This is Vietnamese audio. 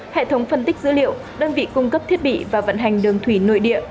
hệ thống phân tích dữ liệu đơn vị cung cấp thiết bị và vận hành đường thủy nội địa